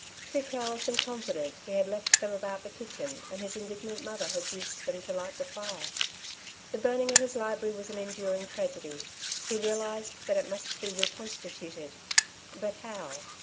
Too careless and confident, he had left them about the kitchen, and his indignant mother had used them to light the fire. The burning of his library was an enduring tragedy. He realized that it must be reconstituted; but how?